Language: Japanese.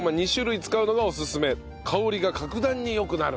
香りが格段に良くなる。